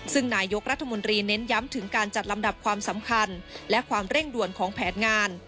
ซึ่งนายกรัฐมนตรีเน้นย้ำถึงการจัดลำดับความสำคัญและความเร่งด่วนของแผนงาน